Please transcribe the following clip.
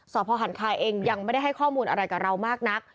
พ่อหันคาเองยังไม่ได้ให้ข้อมูลอะไรกับเรามากนัก